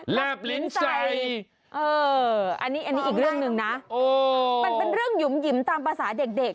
แบบลิ้นใจอันนี้อีกเรื่องหนึ่งนะมันเป็นเรื่องหยุ่มหยิมตามภาษาเด็ก